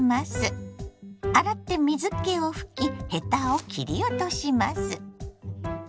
洗って水けを拭きヘタを切り落とします。